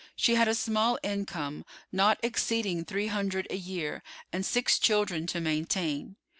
She had a small income, not exceeding three hundred a year, and six children to maintain.